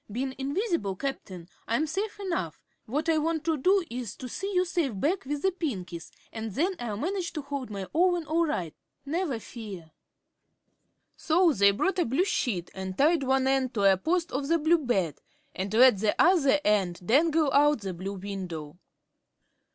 "Bein' invis'ble, Cap'n, I'm safe enough. What I want to do is to see you safe back with the Pinkies, an' then I'll manage to hold my own all right, never fear." So they brought a blue sheet and tied one end to a post of the blue bed and let the other end dangle out the blue window.